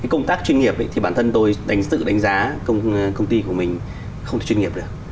công tác chuyên nghiệp thì bản thân tôi đánh tự đánh giá công ty của mình không chuyên nghiệp được